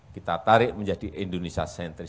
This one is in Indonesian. kita tarik menjadi indonesia sentris